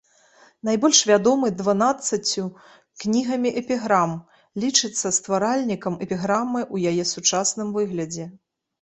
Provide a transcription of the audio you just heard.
Найбольш вядомы дванаццаццю кнігамі эпіграм, лічыцца стваральнікам эпіграмы ў яе сучасным выглядзе.